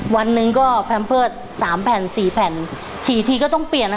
วันหนึ่งก็แพมเพิร์ตสามแผ่นสี่แผ่นฉี่ทีก็ต้องเปลี่ยน